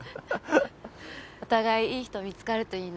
お互いいい人見つかるといいね。